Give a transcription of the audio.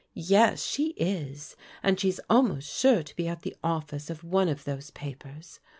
" Yes, she is, and she's almost sure to be at the office of one of those papers.